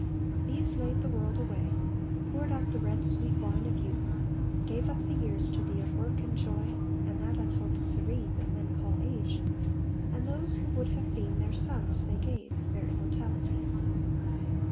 These laid the world away; poured out the red Sweet wine of youth; gave up the years to be Of work and joy, and that unhoped serene, That men call age; and those who would have been, Their sons, they gave, their immortality.